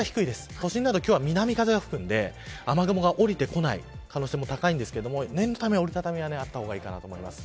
都心など今日は南風が吹くので雨雲がおりてこない可能性も高いんですが念のため折り畳みはあった方がいいと思います。